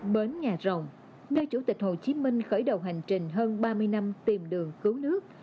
bến nhà rồng nơi chủ tịch hồ chí minh khởi đầu hành trình hơn ba mươi năm tìm đường cứu nước